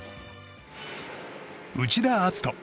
内田篤人